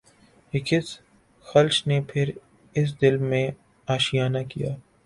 یہ کس خلش نے پھر اس دل میں آشیانہ کیا